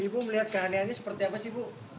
ibu melihat keanehan ini seperti apa sih bu